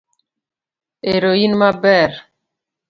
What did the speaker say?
Ero in maber.